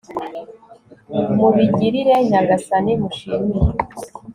mubigirire nyagasani, mushimire